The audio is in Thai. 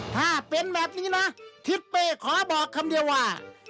ถ้าเป็นแบบนี้นะทิศเป้ขอบอกคำเดียวว่า